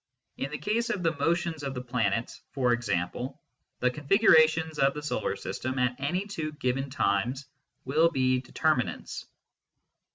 In the case of the motions of the planets, for example, the configurations of the solar system at any two given times will be determinants.